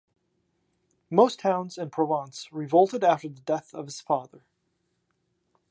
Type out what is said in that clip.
Most towns in Provence revolted after the death of his father.